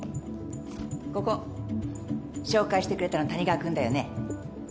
ここ紹介してくれたの谷川君だよね？